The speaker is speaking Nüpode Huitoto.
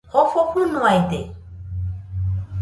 Jofo fɨnoaide